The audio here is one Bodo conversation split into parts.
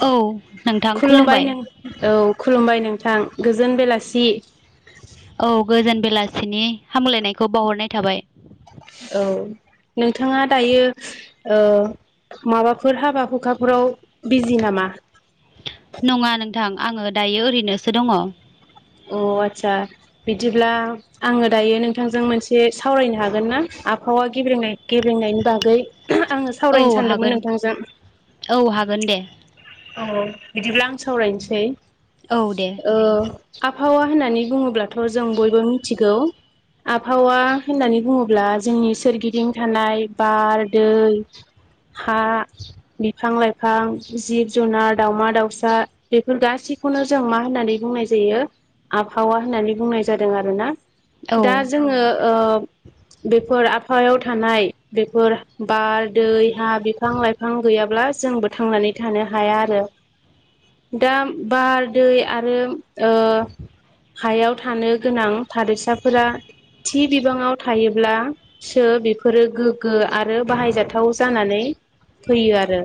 औ खुलुमबाय नों औ खुलुमबाय नों। थां गोजोन बेलासि। औ गोजोन बेलासिनि हामलायनायखौ बावहरनाय थाबाय। औ। नोंथाङा दायो ओ-माबाफोर हाबा हुखाफोराव बिजि नामा। नङा नोंथां आङो दायो ओरैनोसो दङ अ आदसा बिदिब्ला आङो दायो नोंथांजों मोनसे सावरायनो हागोन ना? आबहावा गेब्रेंनाय गेब्रेंनायनि बागै। ओ-आङो औ सावरायनो सानदोंमोन हागोन नोंथांजों। औ हागोन दे औ बिदिब्ला आं सावरायनोसै औ दे ओ आबहावा होननानै बुङोब्लाथ जों बयबो मिथिगौ। आबहावा होननानै बुङोब्ला जोंनि सोरगिदिं थानाय बार दै हा बिफां लाइफां जिब। जुनार दाउमा दाउसा बेफोर गासैखौनो जों मा होननानै बुंनाय जायो। आबहावा होननानै बुंनाय जादों आरोना औ दा जोङो ओ बेफोर आबहायाव थानाय बेफोर बार दै हा बिफां लाइफां गैयाब्ला जोंबो थांनानै थानो हाया आरो दा बार दै आरो ओ हायाव थानो गोनां थादेरसाफोरा थि बिबाङाव थायोब्ला सोर बेफोरो गोग्गो आरो बाहायजाथाव जानानै फैयो आरो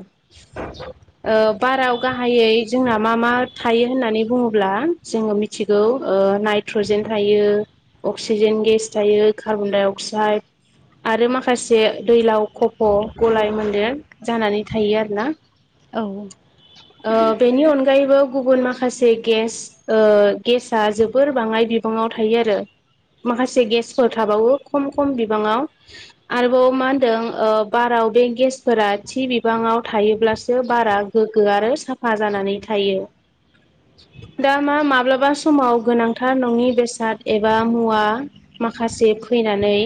ओ बाराव गाहायै जोंना मा मा थायो होननानै बुङोब्ला जोङो मिथिगौ ओ नाइट्रजेन थायो अक्सिजेन गेस थायो कार्बन डाइ अक्साइड आरो माखासे दैलाव खफ' गलाय मोन्देर जानानै थायो आरोना। औ ओ बेनि अनगायैबो गुबुन माखासे गेस ओ गेसआ जोबोर बाङाय बिबाङाव थायो आरो माखासे गेसफोर थाबावो खम खम बिबाङाव आरोबाव मा होनदों ओ बारा औ बे गेसफोरा थि बिबाङाव थायोब्लासो बारा गोग्गो आरो साफा जानानै थायो। दा मा माब्लाबा समाव गोनांथार नङि बेसाद एबा मुवा माखासे फैनानै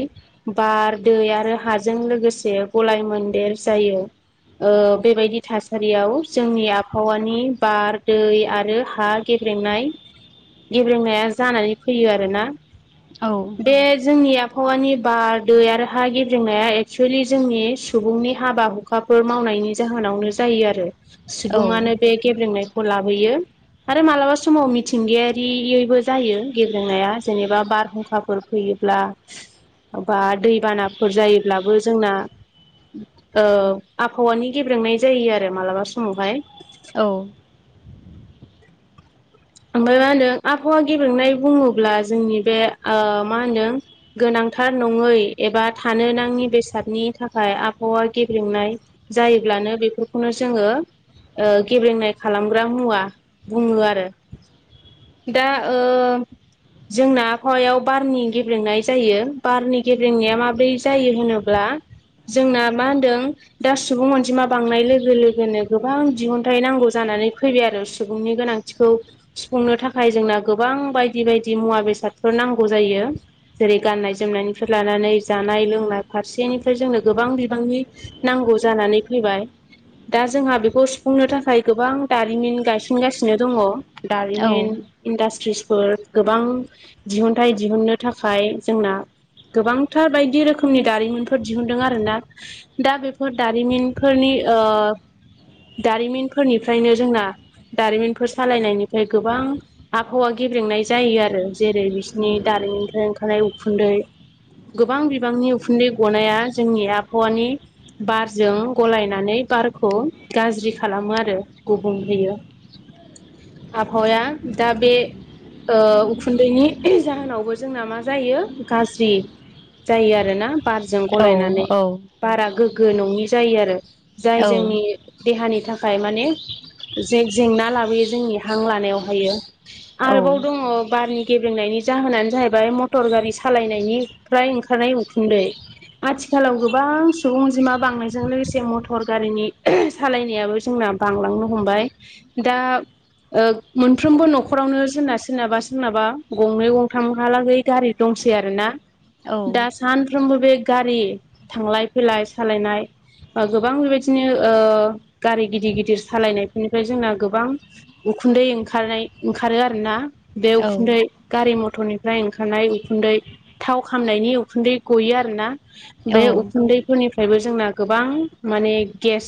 बार दै आरो हाजों लोगोसे गलाय मोनदेर जायो। ओ बेबायदि थासारियाव जोंनि आबहावानि बार दै आरो हा गेब्रेंनाय। गेब्रेंनाया जानानै फैयो आरोना औ बे जोंनिया आबहावानि बार दै आरो हा गेब्रेऔनाया एक्सुेलि जोंनि सुबुंनि हाबा हुखाफोर मावनाय। नि जाहोनावनो जायो आरो औ सुबुङानो बे गेब्रेंनायखौ लाबोयो। आरो मालाबा समाव मिथिंगायारियैबो जायो गेब्रेंनाया जेनेबा बारहुंखाफोर फैयो। ब्ला बा दैबानाफोर जायोब्लाबो जोंना ओ आबहावानि गेब्रेंनाय जायो आरो मालाबा समावहाय औ ओमफ्राय मा होनदों आबहावा गेब्रेंनाय बुङोब्ला जोंनि बे ओ मा होनदों गोनां। थार नङै एबा थानो नाङि बेसादनि थाखाय आबहावा गेब्रेेंनाय जायो। ब्लानो बेफोरखौनो जोङो ओ गेब्रेंनाय खालामग्रा मुवा बुङो आरो दा ओ जोंना आबहावायाव बारनि गेब्लेंनाय जायो बारनि गेब्लेंनाया माब्रै जायो होनोब्ला जोंना मा होनदों दा सुबुं अनजिमा बांनाय लोगो लोगोनो गोबां दिहुनथाइ नांगौ जानाय। नानै फैबाय आरो सुबुंनि गोनांथिखौ सुफुंनो थाखाय जोंना गोबां बायदि बायदि मुवा बेसादफोर नांगौ जायो। जेरै गाननाय जोमनायनिफ्राय लानानै जानाय लोंनाय फारसेनिफ्राय जोंनो गोबां बिबांनि नां नांगौ जानानै फैबाय दा जोंहा बेखौ सुफुंनो थाखाय गोबां दारिमिन गायसनगासिनो दङ औ दारिमिन इन्डासट्रिस फोर गोबां दिहुनथाइ दिहुननो थाखाय जोंना गोबांथार बायदि रोखोमनि दारिमिनफोर दिहुदों आरोना दा बेफोर दारिमिनफोरनि ओ दारिमिनफोरनिफ्रायनो जोंना दारिमिनफोर सालायनायनि फ्राय गोबां आबहावा गेब्रेंनाय जायो आरो जेरै बिसिनि दारिनिफ्राय ओंखारनाय उखुन्दै ऐ गोबां बिबांनि उखुन्दै गनाया जोंनि आबहवानि बारजों गलायनानै बारख' गाज्रि खालामो आरो गुबुंहोयो आबहावाया दा बे ओ उखुन्दैनि जाहोनावबो जोंना मा जायो गाज्रि जायो आरोना बारजों औ गलायनानै बारा गोगो नङि जायो आरो जाय जोंनि देहानि थाखाय माने जे-जेंना लाबोयो जोंनि हां लानायाव हायो औ आरोबाव दङ बारनि गेब्रेंनायनि जाहोनानो जाहैबाय मटर गारि सालायनायनि फ्राय ओंखारनाय उखुन्दै आथिखालाव गोबां सुबुं अनजिमा बांनायजों लोगोसे मटर गारिनि सालायनायाबो जोंना बांलांनो हमबाय दा ओ मोनफ्रोमबो न'खरावनो जोंना सोरनाबा सोरनाबा गंनै गंथामहालागै गारि दंसेै आरोना दा सानफ्रोमबो बे गारि थांलाय फैलाय सालायनाय बा गोबां बेबायदिनो ओ गारि गिदिर गिदिर सालायनायफोरनिफ्राय जोंना गोबां उखुन्दै ओंखारनाय ओंखारो आरोना बे उखुन्दै गारि मथरनि फ्राय ओंखारनाय उखुन्दै थाव खामनायनि उखुन्दै गयो आरो ना। बे उखुन्दैफोरनिफ्रायबो जोंना गोबां माने गेस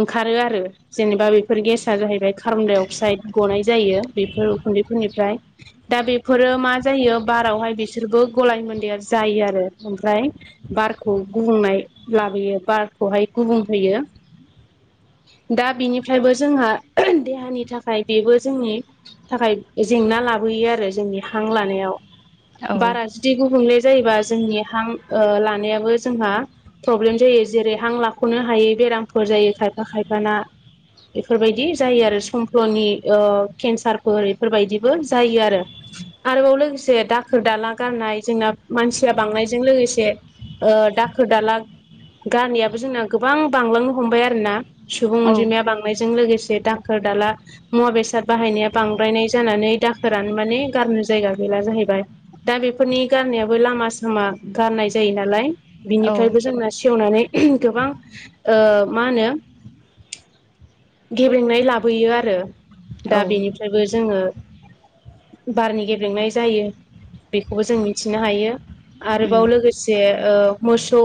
ओंखारो आरो जेनेबा बेफोर गेसा जाहैबाय कारबनदाय अकसाइड गनाय जायो बेफोर उखुन्दैफोरनिफ्राय दा बेफोरो मा जायो बारावहाय बि सोरबो गलाय मोन्दैया जायो आरो ओमफ्राय बारखौ गुबुंनाय लाबोयो बार खहाय गुबुं होयो दा बिनिफ्रायबो जोंहा देहानि थाखाय खाय बेबो जोंनि थाखाय जेंना लाबोयो आरो जोंनि हां लानायाव बारा जुदि गुबुंले जायोबा जोंनि हां ओ लानायाबो जोंहा प्रब्लेम जायो जेरै हां लाख'नो हायि बे बेरामफोर जायो खायफा खायफा ना बेफोरबायदि जायो आरो सम अनि ओ केन्सारफोर इफोरबायदिबो जायो आरो आरोबाव लोगोसे दाखोर दाला गारनाय जोंना मानसिया बांनायजों लोगोसे ओ दाखोर दाला गारनायाबो जोंना गोबां बांलांनो हमबाय आरो ना। सुबुं अनजिमाया बांनायजों लोगोसे दाखोर दाला मुवा बेसाद बाहायनाया बांद्रायनाय जानानै दाखोरानो माने गारनो जायगा गैला जाहैबाय। दा बेफोरनि गारनायाबो लामा सामा गारनाय जायो नालाय बिनिफ्रायबो जोंना सेवनानै गोबां ओ मा होनो गेब्रेंनाय लाबोयो आ रो दा बेनिफ्रायबो जोङो बारनि गेब्रेंनाय जायो। बेखौबो जों मिथिनो हायो आरोबाव लोगोसे ओ मोसौ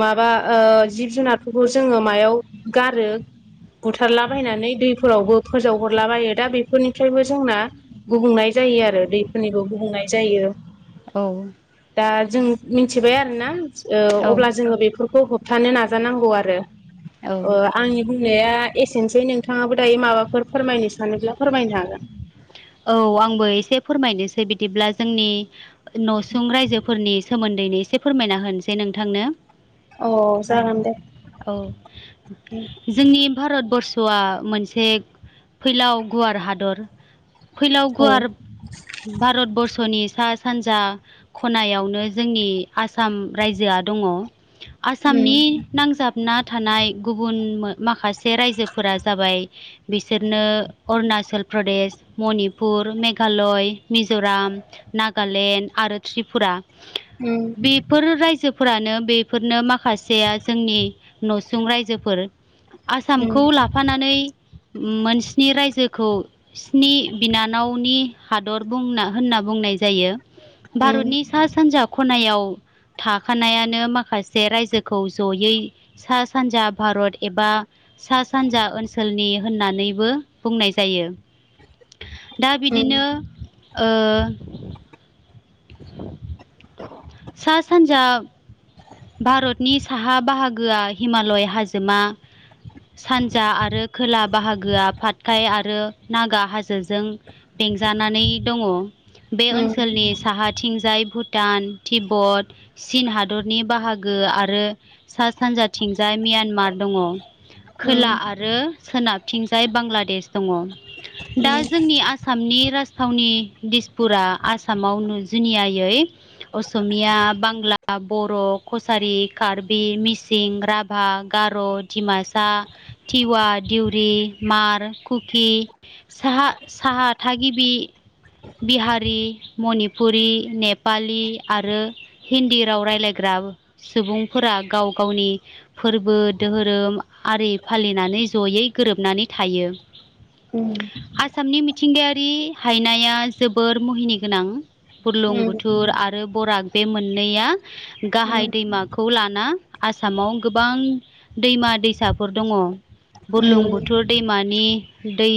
माबा ओ जिब जुनारफोरखौ जोङो मायाव गारो बुथारलाबायायनानै दै फोरावबो फोजावहरलाबायो दा बेफोरनिफ्रायबो जोंना गुबुंनाय जायो आरो दैफोरनिबो गुबुं नाय जायो। औ। दा जों मिन्थिबाय आरोना ओ औ अब्ला जोङो बेफोरखौ होबथानो नाजानांगौ आरो। औ ओ आंनि बुंनाया एसेनोसै नोंथाङाबो दायो माबाफोर फोरमायनो सानोब्ला फोरमायनो हागोन। औ आंबो एसे फोरमायनोसै बिदिब्ला जोंनि न'सुं रायजोफोरनि सोमोन्दैनो एसे फोरमायना होनोसै नोंथांनो। अ' जागोन दे। औ जोंनि भारतबर्ष'आ मोनसे फैलाव गुवार हादर। फैलाव औ गुवार भारतबर्स नि सा सानजा खनायावनो जोंनि आसाम रायजोआ दङ। आसामनि उम नांजाब ना थानाय गुबुन माखासे रायजोफोरा जाबाय बिसोरनो अरुना- -चल प्रदेश, मणिपुर, मेघालय, मिजराम, नागालेण्ड आरो त्रि -पुरा उम बेफोर रायजोफोरानो बेफोरनो माखासेया जोंनि नसुं रायजोफोर आसामखौ उम लाफानानै मोनस्नि रायजो खौ स्नि बिनानावनि हादर बुंना होनना बुंनाय जायो। उम भारतनि सा - सानजा खनायाव थाखानायानो माखासे रायजोखौ जयै सा सानजा भारत एबा सा सानजा ओनसोलनि होननानैबो बुंनाय जायो। [inaudible] दा उम बिदिनो ओ सा सानजा भारतनि साहा बाहागोआ हिमालय हाजोमा सानजा आरो खोला बाहागोआ फातखाय आरो नागा हाजोजों बेंजानानै दङ बे उम ओनसोलनि साहाथिं जाय भुटान तिब्बत चीन हादर नि बाहागो आरो सा सानजाथिंजाय म्यानमार दङ । खोला आरो सोनाबथिंजाय बांलादेश दङ । दा जोंनि आसामनि राज थावनि दिसफुरा आसामाव जुनियायै असमिया बांला बर', कसारि, कार्बि, मिसिं, राभा, गार, डिमासा टिवा, दिउरि, मार, कुकि, साहा साहा थागिबि बिहारि, मणिपुरि, नेपालि आरो हिन्दी राव रायज्लायग्रा सुबुंफोरा गाव गावनि फोरबो धोरोम आरि फालिनानै जयै गोरोबनानै थायो उम । आसामनि मिथिंगायारि हायनाया जोबोर मुहिनि गोनां । उम बुरलुंबुथुर आरो बराक बे मोननैया उम गाहाय दैमाखौ लाना आसामाव गोबां दैमा दैसाफोर दङ । उम उम बुरलुंबुथुर दैमानि दै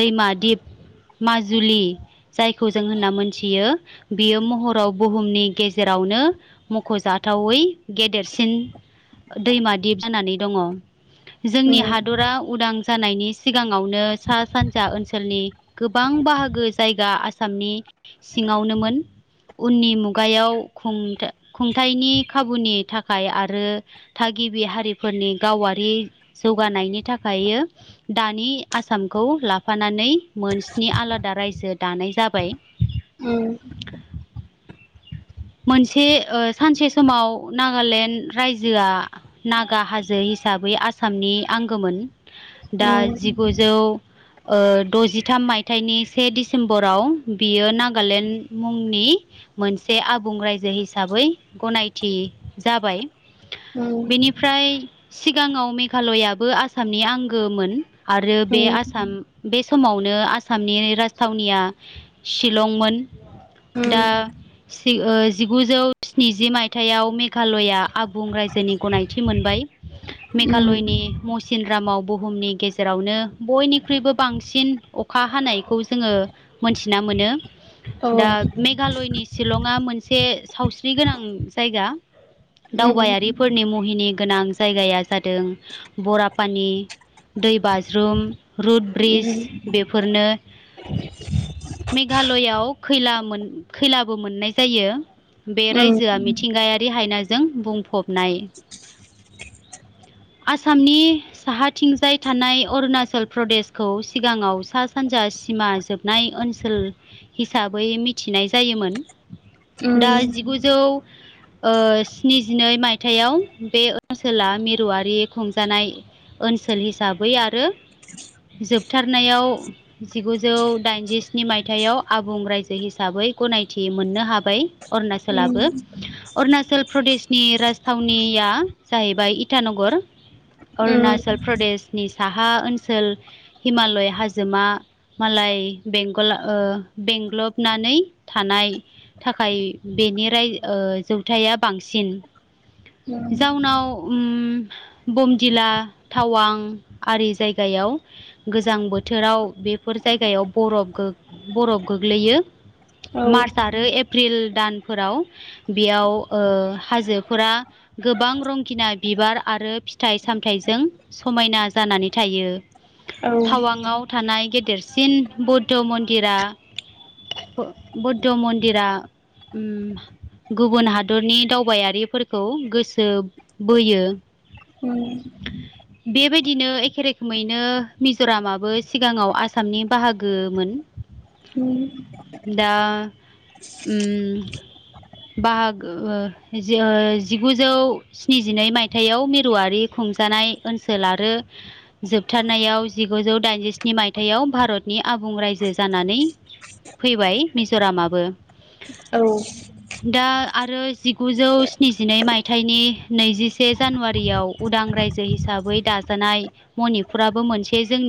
दैमा दिप माजुलि जायखौ जों होनना मोनथियो बियो महराव बुहुमनि गेजेरावनो मखजाथावै गेदेरसिन दैमा दिप जानानै दङ । जोंनि हादरा उदां जानायनि सिगाङावनो सा सानजा ओनसोलनि गोबां बाहागो जायगा आसामनि सिङावनोमोन । उननि मुगायाव खुं खुंथायाइनि खाबुनि थाखाय आरो थागिबि हारिफोरनि गावारि जौगानायनि थाखायो दानि आसामखौ लाफानानै मोनस्नि आलादा रायजो दानाय जाबाय । उम्म । मोनसे ओ सानसे समाव नागालेण्ड रायजोआ नागा हाजो हिसाबै आसामनि आंगोमोन दा उम उम जिगुजौ ओ दजिथाम मायथाइनि से डिसेम्बराव बियो नागालेण्ड मुंनि मोनसे आबुं रायजो हिसाबै गनायथि जाबाय उम औ । बेनिफ्राय सिगाङाव मेघालयाबो आसामनि आंगोमोन । आरो उम बे आसाम बे समावनो आसामनि राजथावनिया शिलंमोन । उम उम दा जिगुजौ स्निजि मायथायाइाव मेघालया आबुं रायजोनि गनायथि मोनबाय । मेघालयनि मौ सिनरामाव बुहुमनि गेजेरावनो बयनिख्रुइबो बांसिन अखा हानायखौ जोङो मोनथिना मोनो औ दा मेघालयनि शिलं ङा मोनसे सावस्रि गोनां जायगा । दावबायारिफोरनि मुहिनि गोनां जायगाया जादों बरापानि दै बाज्रुम रुड ब्रिज बे फोरनो मेघालयाव खैला मोन खैलाबो मोननाय जायो बे रायजोआ मिथिंगायारि हायनाजों बुंफबनाय । आसामनि साहाथिंजाय थानाय अरुणाचल प्रदेशखौ सिगाङाव सा सानजा सिमा जोबनाय ओनसोल हिसाबै मिथिनाय जायोमोन । दा जिगुजौ ओ स्निजिनै मायथाइयाव बे ओनसोला मिरुआरि खुंजानाय, ओनसोल हिसाबै आरो जोबथारनायाव जिगुजौ दाइनजिस्नि मायथाइयाव आबुं रायजो हिसाबै, गनायथि मोननो हाबाय अरुणाचल अरुणाचल प्रदेशनि राजथावनिया, जाहैबाय इटानगर अरुणाचल प्रदेशनि साहा ओनसोल हिमालय हाजोमा मालाय बेंगल ओ बेंग्लबनानै थानाय, थाखाय बेनि राय जौवथाया बांसिन जाउनाव उम बमदिला टावां आरि जायगायाव, गोजां बोथोराव बेफोर जायगायाव बरफ गो बरफ गोग्लैयो। औ मार्च आरो एप्रिल दानफोराव बेयाव ओ हाजोफोरा गोबां रंखिना, बिबार आरो फिथाइ सामथाइजों समायना जानानै थायो। औ थावाङाव थानाय, गेदेरसिन बौद्ध मन्दिरा बौद्ध मन्दिरा, उम गुबुन हादरनि दावबायारिफोरखौ गोसो बोयो, उम बेबायदिनो एखे रोखोमैनो मिजरामाबो सिगाङाव आसामनि बाहागोमोन उम दा उम बाहागो जि जिगुजौ स्निजिनै मायथाइयाव मिरुवारि खुं खुंजानाय ओनसोल आरो जोबथारनायाव जिगुजौ दाइनजिस्नि मायथाइयाव भारतनि आबुं रायजो जानानै फैबाय मिजरामा औ दा आरो जिगुजौ स्निजिनै मायथाइनि नैजिसे जानुवारियाव उदां रायजो हिसाब साबै दाजानाय मनिपुराबो मोनसे जोंनि